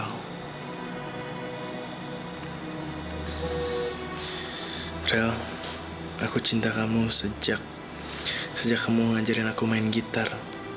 rel aku cinta kamu sejak kamu ngajarin aku main gitar